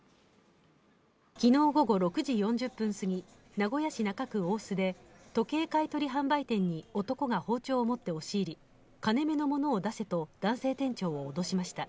昨日午後６時４０分すぎ名古屋市中区大須で時計買い取り販売店に男が包丁を持って押し入り金目のものを出せと男性店長を脅しました。